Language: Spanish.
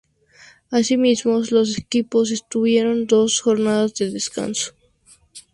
Asimismo, los equipos tuvieron dos jornadas de descanso.